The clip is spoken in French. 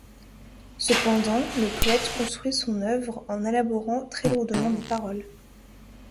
Cependant, le poète construit son œuvre en élaborant très lourdement les paroles.